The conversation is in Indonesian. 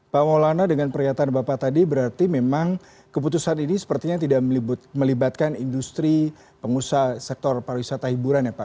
pak maulana dengan pernyataan bapak tadi berarti memang keputusan ini sepertinya tidak melibatkan industri pengusaha sektor pariwisata hiburan ya pak